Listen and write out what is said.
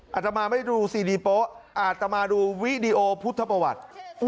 อาตมาไม่ดูซีรีโป๊ะอาตมาดูวิดีโอพุทธประวัติ